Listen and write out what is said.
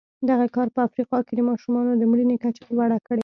دغه کار په افریقا کې د ماشومانو د مړینې کچه لوړه کړې.